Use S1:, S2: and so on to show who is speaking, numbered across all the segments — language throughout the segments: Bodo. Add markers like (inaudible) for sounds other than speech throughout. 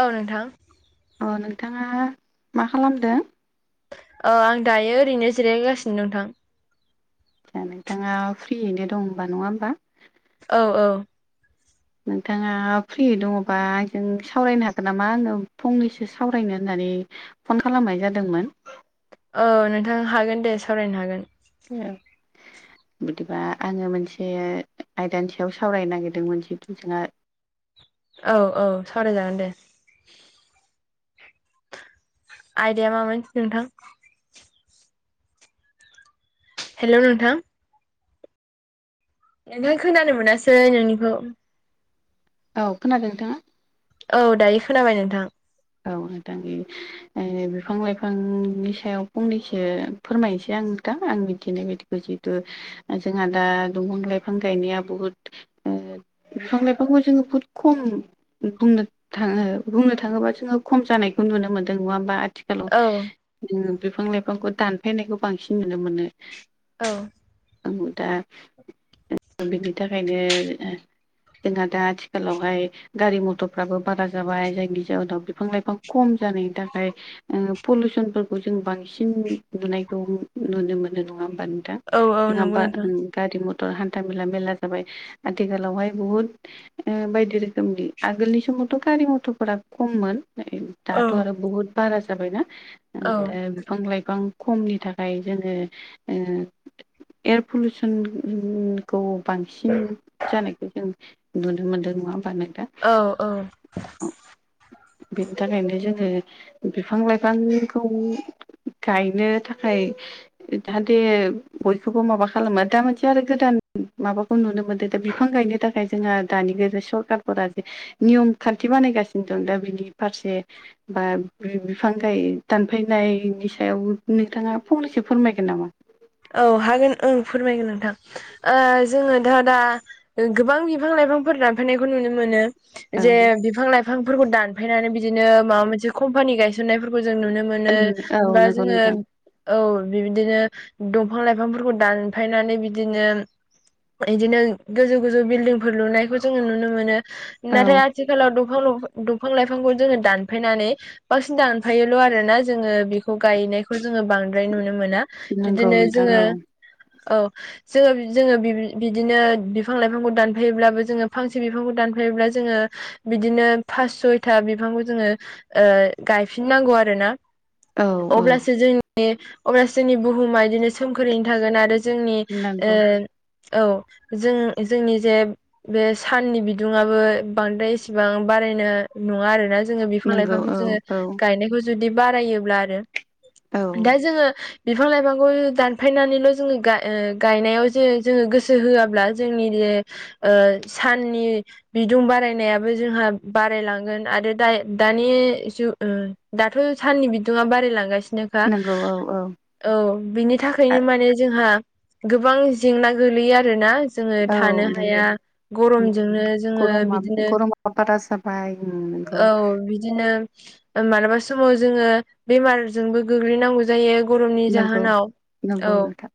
S1: औ नोंथां।
S2: अ नोंथाङा मा खालामदों?
S1: औ आं दायो ओरैनो जिरायगासिनो दं नोंथां।
S2: आसा नोंथाङा फ्रियैनो दं होनबा नङा होनोमबा?
S1: औ औ।
S2: नोंथाङा फ्रि दङबा आंजों सावरायनो हागोन नामा आङो फंनैसो सावरायनो होननानै फन खालामनाय जादोंमोन।
S1: औ नोंथां हागोन दे सावरायनो हागोन।
S2: ए बिदिबा आङो मोनसे आयदानि सायाव सावरायनो नागिरदोंमोन जिथु जोंहा
S1: औ औ सावरायजागोन दे। आइडाया माबादि नोंथां? हेलौ नोंथां। जेब्बो खोनानो मोनासै नोंनिखौ।
S2: औ खोनादों नोंथाङा?
S1: औ दायो खोनाबाय नोंथां।
S2: औ नोंथां। ओ बिफां लाइफांनि सायाव फंनैसो फोरमायनोसै आं नोंथां आं बिथिनाय बायदि। जिहतु जोंहा दा दंफां लाइफां गायनाया बुहुत ओ बिफां लाइफांखौ जोङो बहुत खम बुंनो थाङो बुंनो थाङोबा जोङो खम जानायखौ नुनो मोन्दों नङा होमबा आथिखालाव।
S1: औ
S2: बिफां लाइफांखौ दानफायनायखौ बांसिन नुनो मोनो।
S1: औ
S2: आं दा बिनि थाखायनो जोंहा दा आथिखालावहाय गारि मथरफ्राबो बारा जाबाय जायनि जाहोनाव बिफां लाइफां खम जानायनि थाखाय ओ पलिउसनफोरखौ जों बांसिन नुनायखौ नुनो मोनो नङा होमबा नों थां
S1: औ औ नंगौ
S2: जोंहा
S1: नोंथां
S2: गारि मथर हान्था मेला मेलला जाबाय आथिखालावहाय बुहुद बायदि रोखोमनि आगोलनि समावथ' गारि मथरफोरा खममोन।
S1: औ
S2: दाथ' आरो बहुत बारा जाबायना
S1: औ
S2: दा बिफां लाइफां खमनि थाखाय जोङो ओ एयार पलिउसन खौ बांसिन जानायखौ जों नुनो मोनदों नङा होमबा नोंथां।
S1: औ औ
S2: बिनि थाखायनो जोङो बिफां लाइफांखौ गायनो थाखाय जाहाथे बयखौबो माबा खालामो दा मोनसे आरो गोदान माबा खौ नुनो मोन्दों दा बिफां गायनो थाखाय जोंहा दानि बे सरखारफोरा जे नियम खान्थि बानायगासिनो दं दा बिनि फारसे बा बिफां गाय दानफैनायनि सायाव नोंथाङा फंनैसो फोरमायगोन नामा
S1: औ हागोन ओं फोरमायगोन नोंथां ओ जोङो दा दा गोबां बिफां लाइफांफोर दानफैनायखौ नुनो मोनो
S2: औ
S1: जे बे बिफां लाइफांफोरखौ दानफायनानै बिदिनो माबा मोनसे कम्पानि गायसननायफोरखौ जों नुनो मोनो जे
S2: औ
S1: बा
S2: नंगौ
S1: जोङो
S2: नोंथां
S1: औ बिबायदिनो दंफां लाइफांफोरखौ दानफायनानै बिदिनो बिदिनो गोजौ गोजौ बिल्डिंफोर लुनायखौ जोङो नुनो मोनो
S2: औ
S1: नाथाय आथि आथिखालाव दफां दंफां लाइफांखौ जोङो दानफायनानै बांसिन दानफायोल' आरो ना जोङो बेखौ गायनायखौ जोङो बांद्राय नुनो मोना
S2: नंगौ
S1: बिदिनो
S2: नोंथां
S1: जोङो
S2: औ
S1: औ जोङो जोङो बि-बिदिनो बिफां लाइफांखौ दानफायोब्लाबो जोङो फांसे बिफांखौ दानफायोब्ला जोङो बिदिनो पास सयथा बिफांखौ जोङो ओ गायफिननांगौ आरो ना
S2: औ
S1: अब्लासो जोंनि अब्लासो जोंनि बुहुमा बिदिनो सोमखोरैनो थागोन आरो जोंनि ओ
S2: नंगौ
S1: औ जों जोंनि जे बे साननि बिदुुंआबो बांद्राय एसेबां बारायनाय नङा आरोना जोङो बिफां
S2: नंगौ
S1: लाइफांखौ
S2: औ
S1: जोङो
S2: औ
S1: गायनायखौ जुदि बारायोब्ला आरो
S2: औ
S1: दा जोङो बिफां लाइफांखौ दानफायनानैल' जोङो गा-गायनायाव जो-जोङो गोसो होआब्ला जोंनि ज ओ साननि बिदुं बारायनायाबो जोंहा बारायलांगोन आरो दा-दानि जु ओ दाथ' साननि बिदुङा बारायलांगासिनोखा
S2: नंगौ औ औ
S1: औ बिनि
S2: आ
S1: थाखायनो माने जोंहा गोबां जेंना गोलैयो आरोना जोङो
S2: औ
S1: थानो
S2: नंगौ
S1: हाया
S2: उम
S1: गरमजोंनो जोङो
S2: गरमा
S1: बिदिनो
S2: (unintelligible)
S1: औ बिदिनो मालाबा समाव जोङो बेमारजोंबो गोग्लैनांगौ जायो गरमनि
S2: नंगौ
S1: जाहोनाव
S2: नंगौ
S1: औ
S2: नोंथां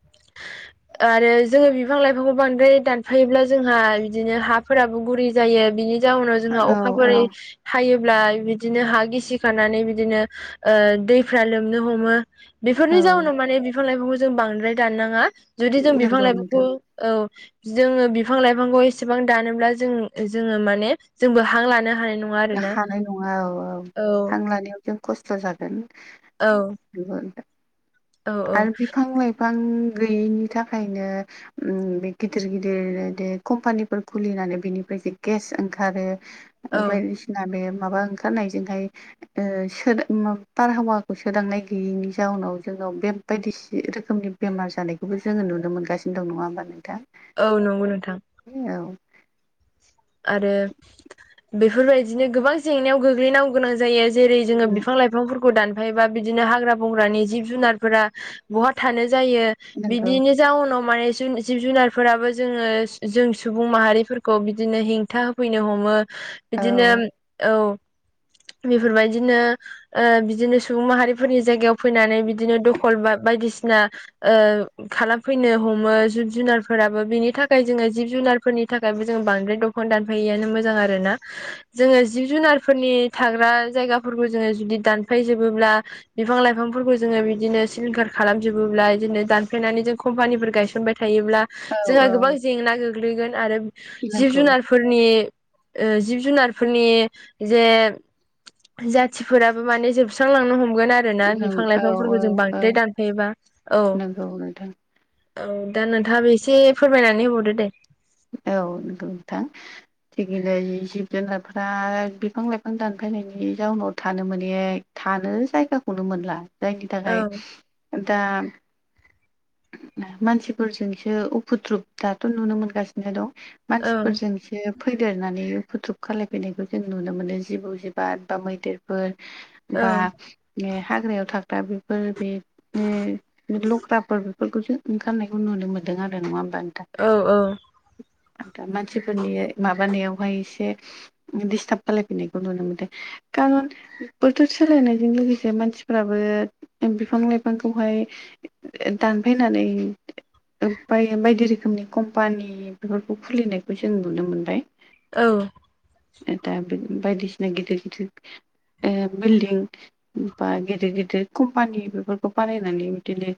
S2: (inaudible)
S1: आरो जोङो बिफां लाइफांखौ बांद्राय दानफायोब्ला जोंहा बिदिनो हाफोराबो गुरै जायो बिनि जाउनाव जोंहा
S2: औ औ
S1: अखाफोरै थायोब्ला बिदिनो हा गिसि खानानै बिदिनो ओ दैफ्रा लोमनो हमो बेफोरनि
S2: औ
S1: जाउनाव माने बिफां लाइफांखौ जों बांद्राय दाननाङा जुदि जों बिफां
S2: नंगौ
S1: लाइफांखौ
S2: नोंथां
S1: औ जोङो बिफां लाइफांखौ एसेबां दानोब्ला जों जोङो माने जोंबो हां लानो हानाय नङा आरोना
S2: हानाय नङा औ औ हां लानायाव जों खस्थ' जागोन
S1: औ औ औ
S2: आरो बिफां लाइफां गैयैनि थाखायनो उम बे गिदिर गिदिर कम्पानिफोर खुलिनानै बेनिफ्राय जे गेस ओंखारो
S1: औ
S2: बायदिसिना बे माबा ओंखारनायजोंहाय ओ सोद बारहावाखौ सोदांनाय गैयिनि जाउनाव जोनो बे बायदिसि रोखोमनि बेमार जानायखौबो जोङो नुनो मोनगासिनो दं नङा होमबा नोंथां
S1: औ नंगौ नोंथां
S2: औ
S1: आरो बेफोरबायदिनो गोबां जेंनायाव गोग्लैनांग गोनां जायो जेरै जोङो बिफां लाइफां बिफांफोरखौ दानफायोबा बिदिनो हाग्रा बंग्रानि जिब जुनारफोरा बहा थानो जायो
S2: नंगौ
S1: बिदिनो जाउनाव माने जिब जुनारफोराबो जोङो जों सुबुं माहारिफोरखौ बिदिनो हेंथा होफैनो हमो
S2: औ
S1: बिदिनो औ बेफोरबायदिनो बिदिनो सुबुं माहारिफोरनि जायगायाव फैनानै बिदिनो दखल बा बायदिसिना ओ खालामफैनो हमो जिब जुनारफोराबो बिनि थाखाय जोङो जिब जुनारफोरनि थाखायबो जों बांसिन ओमफ्राय दखान दानफायैआानो मोजां आरो ना जोङो जिब जुनारफोरनि थाग्रा जायगाफोरखौ जोङो जुदि दानफायजोबोब्ला बिफां लाइफांफोरखौ जोङो बिदिनो सिलिंखार खालामजोबोब्ला बिदिनो दानफ्लेनानै जों कम्पानिफोर गायसनबाय थायोब्ला
S2: औ
S1: जोंहा
S2: औ
S1: गोबां जेंना गोग्लैगोन आरो जिब
S2: नंगौ
S1: जुनारफोर फोरनि जिब जुनारफोरनि जे जाथिफोराबो माने जोबस्रांलांनो हमगोन आरो आरोोना बिफां
S2: औ
S1: लाइफांफोरखौ जों
S2: औ
S1: बांद्राय दानफायोबा औ
S2: नंगौ नोंथां
S1: औ दा नोंथाङा बे एसे फोरमायनानै होबावदो दे
S2: औ नंगौ नोंथां थिगलाय जिब - जुनार बिफां - लाइफां दानफायनायनि जाउनाव थानो मोनै थानो जायगाखौनो मोनला जायनि
S1: औ
S2: थाखाय दा मानसिफोरजोंसो उफुद्रुुब दाथ' नुनो मोनगासिनो दं
S1: औ
S2: मानसिफोरजोंसो फैदेरनानै फुद्रुुब खालायफैनायखौ जों नुनो मोनो जिबौ जिबाद बा मैदेरफोर
S1: औ
S2: बा बे हाग्रायाव थाग्रा बेफोर बे लख्राफोर बेफोरखौसो ओंखारनायखौ नुनो मोनदों आरो नङा होमबा नोंथा
S1: औ - औ
S2: आ दा मानसिफोरनि माबानायावहाय एसे दिस्टाब खायि गांगे खारन बोथोर सोलायनायजों लोगोसे मानसिफ्राबो बिफां लाइफांखौहाय दानफैनानै ओाय बायदि रोखोमनि कम्पानि बेफोरखौ खुलिनायखौ जों नुनो मोनबाय
S1: औ
S2: बायदिसिना गिदिर- गिदिर बिल्डिं बा गिदिर- गिदिर कम्पानि बेफोरखौ बानायनानै बिदिनो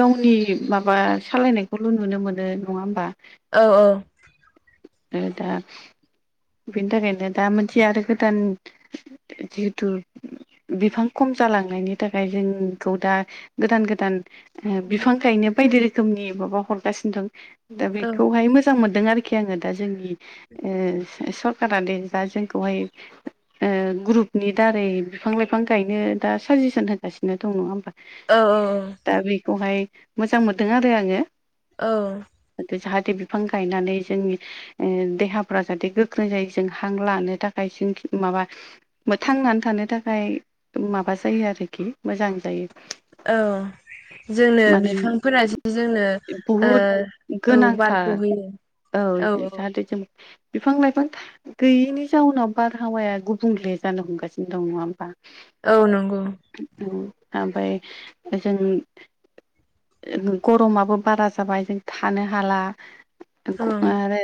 S2: गावनि माबा सालायनायखौल' नुनो मोनो नङा होमबा
S1: औ- औ
S2: बे दा बेनि थाखायनो दा मोनसे आरो गोदान जिहेथु बिफां खम जालांनायनि थाखाय जोंखौ दा गोदान गोदान बिफां गायनो बायदि रोखोमनि माबा हरगासिनो दं दा
S1: औ
S2: बेखौहाय मोजां मोजां मोनदों आरोखि आङो दा जोंनि सरखारारा द दा जोंखौहाय ग्रुपनि दारै बिफां लाइफां गायनो दा साजेसन होगासिनो दं नङा होमबा
S1: औ
S2: दा बेखौहाय मोजां मोनदों आरो आङो
S1: औ
S2: जाहाथे बिफां गायनानै जोंनि देहाफ्रा जाहाथे गोख्रों जायो जों हां लानो थाखाय जों माबा थांनानै थानो थाखाय माबा जायो आरोखि मोजां जायो
S1: औ जोंनो
S2: मानो
S1: बिफांफोरासो जोंनो
S2: बहुद
S1: औ बारखौ
S2: गोनांथार
S1: होयो
S2: औ जाहाथे जों बिफां लाइफां गैयिनि जाउनाव बारहावाया गुबुंले जानो हमगासिनो दं नङा होमबा
S1: औ नंगौ
S2: ओमफ्राय ओ जों गरमाबो बारा जाबाय जों थानो हाला
S1: औ
S2: आरो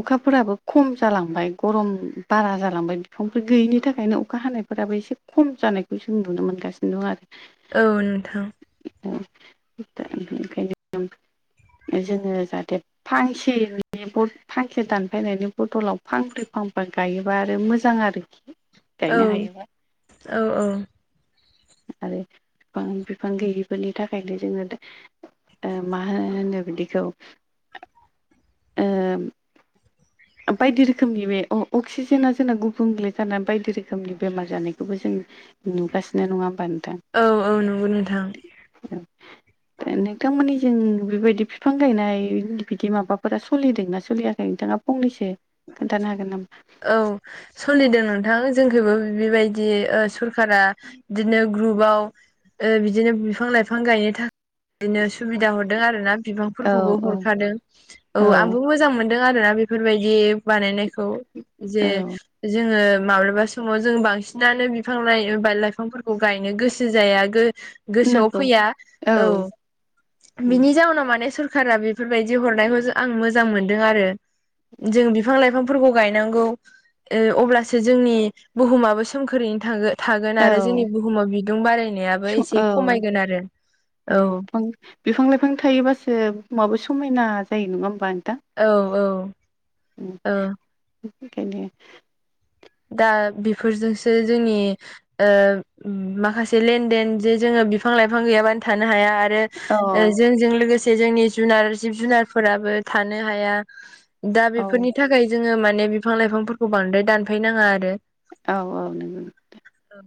S2: अखाफोराबो खम जालांबाय गरम बारा जालांबाय बिफांफोर गैयिनि थाखायनो अखा हानाय फोराबो एसे खम जानायखौ जों नुनो मोनगासिनो दं आरो
S1: औ नोंथां
S2: औाय (inaudible) जोङो जाहाथे फांसेनि थांखे दानफैनायनि बथलाव फांब्रै फांफा गायोबा आरो मोजां आरोखि गायनो
S1: औ
S2: हायोबा
S1: औ औ
S2: आरो बिफां बिफां गैयिफोरनि थाखायनो जोङो मा होन होनो बिदिखौ बायदि रोखोमनि बे अक्सिजेना जोंना गुबुंलले जा बायदि रोखोमनि बेमार जानायखौबो जों नुगासिनो नङा होनोमबा नोंथां
S1: औ औ नंगौ नोंथां
S2: औ (inaudible) नोंथांमोननि जों बेबायदि बिफां गायनाय बिदि माबाफोरा सोलिदोंना सोलियाखै नोंथाङा फंनैसो खोन्थानो हागोन नामा
S1: औ सलिदों नोंथां जोंखौबो बेबायदि सरखारा बिदिनो ग्रुपाव बिदिनो बिफां लाइफां गायनो थाखाय बिदिनो सुबिदा हरदों आरो ना बिबां
S2: औ
S1: फोरखौबो
S2: औ
S1: हरखादों औ आंबो मोजां मोनदों आरोना बेफोरबायदि बानायनायखौ जे
S2: औ
S1: जोडा माबा समाव जों बांसिनानो बिफां लाइ ब लाइफांफोरखौ गायनो गोसो जाया गोसोआव
S2: नंगौ
S1: फैया औ बिनि जाउनाव माने सरखारा बेफोरबायदि हरनायखौ आं मोजां मोनदों आरो जों बिफांफोरखौ गायनांगौ अब्लासो जोंनि बुहुमाबो सोमखोरैनो थांगो थागोन आरो जोंनि
S2: औ
S1: बुहुमाव बिदुं
S2: स
S1: बारायनायाबो
S2: औ
S1: एसे खमायगोन आरो औ
S2: बिफां लाइफां थायोबासो माबो समायना जायो नङा होमबा नोंथां
S1: औ औ औ
S2: गनि (inaudible)
S1: दा बेफोरजोंसो जोंनि माखासे लेन देन जे जोङो बिफां लाइफां गैयाबानो थानो हाया आरो
S2: औ
S1: आरो जोंजों लोगोसे जोंनि जुनार जिब जुनारफोराबो थानो हाया दा
S2: औ
S1: बेफोरनि थाखाय जोङो माने बिफां लाइफांफोरखौ बांद्राय दानफैनाङा आरो
S2: औ औ नंगौ
S1: औ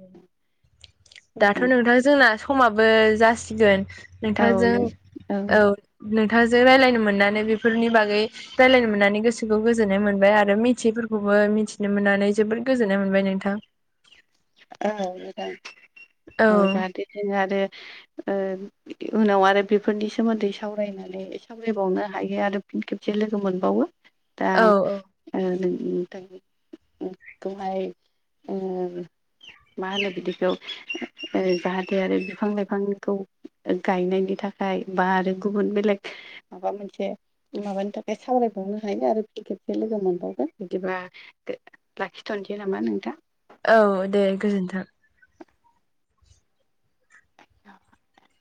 S1: दाथ' नोंथां जोंना समाबो जासिगोन
S2: औ
S1: नोंथाजजों
S2: नों
S1: औ नोंथांजों रायलायनो मोननानै बेफोरनि बागै रायज्लायनो मोननानै गोसोखौ गोजोननाय मोनबाय आरो मिथियफोरखौबो मिथि मिथिनो मोननानै जोबोद गोजोननाय मोनबाय नोंथां
S2: औ मोजां औ जाहाथे ज आरो उनाव आरो बेफोरनि सोमोन्दै सावरायनानै खावायबावनो हायो आरो फिन खेबसे लोगो मोनबावो
S1: औ औ
S2: दाखौहाय (inaudible) मा होनो बिदिखौ जाहाथे आरो बिफां लाइफांखौ गायनायनि थाखाय बा आरो गुबुन बेलेग माबा मोनसे माबानि थाखाय सावरायबावनो हायो आरो फि खेबसे लोगो मोनबावगोन बिदिबा लाखिथ'नोसै नामा नोंथां
S1: औ दे गोजोन्थों
S2: (inaudible)